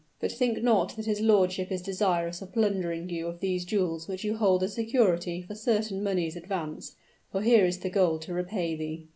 But think not that his lordship is desirous of plundering you of these jewels which you hold as security for certain moneys advanced, for here is the gold to repay thee."